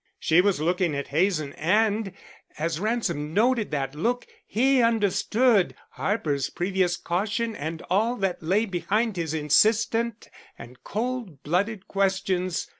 She was looking at Hazen and, as Ransom noted that look, he understood Harper's previous caution and all that lay behind his insistent and cold blooded questions.